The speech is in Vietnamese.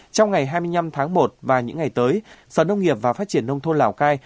trong ngày hai mươi năm tháng một và những ngày tới sở nông nghiệp và phát triển nông thôn lào cai